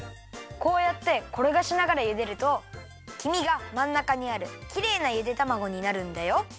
こうやってころがしながらゆでるときみがまんなかにあるきれいなゆでたまごになるんだよ。